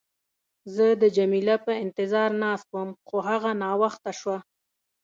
زه د جميله په انتظار ناست وم، خو هغه ناوخته شوه.